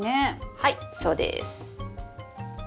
はいそうです。